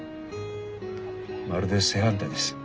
まるで正反対です。